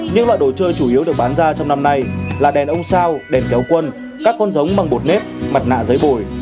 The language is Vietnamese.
những loại đồ chơi chủ yếu được bán ra trong năm nay là đèn ông sao đèn kéo quân các con giống bằng bột nếp mặt nạ giấy bồi